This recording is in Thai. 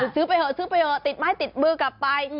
ซื้อไปเถอะซื้อไปเถอะติดไม้ติดมือกลับไป